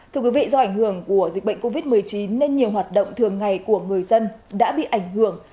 thưa quý vị do ảnh hưởng của dịch bệnh covid một mươi chín nên nhiều hoạt động thường ngày của người dân đã bị ảnh hưởng